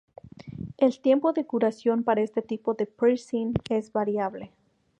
El tiempo de curación para este tipo piercing es variable.